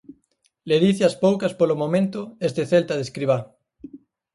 Ledicias poucas polo momento este Celta de Escribá.